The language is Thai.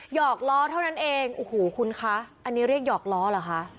หอกล้อเท่านั้นเองโอ้โหคุณคะอันนี้เรียกหยอกล้อเหรอคะ